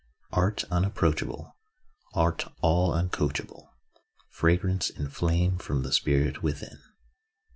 Art unapproachable, Art all uncoachable, Fragrance and flame from the spirit within.